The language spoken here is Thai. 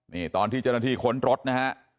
นี่ตอนที่เจ้าหน้าที่ค้นรถนะฮะ